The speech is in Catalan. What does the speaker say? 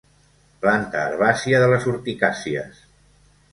Planta herbàcia de les urticàcies.